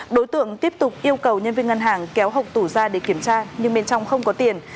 đối tượng tiếp tục yêu cầu nhân viên ngân hàng kéo hộp tủ ra để kiểm tra nhưng bên trong không có tiền